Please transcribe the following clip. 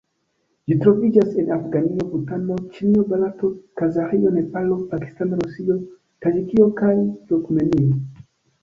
Ĝi troviĝas en Afganio, Butano, Ĉinio, Barato, Kazaĥio, Nepalo, Pakistano, Rusio, Taĝikio kaj Turkmenio.